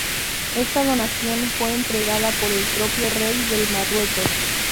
Esta donación fue entregada por el propio Rey del Marruecos.